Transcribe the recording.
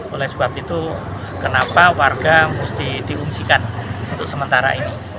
oleh sebab itu kenapa warga mesti diungsikan untuk sementara ini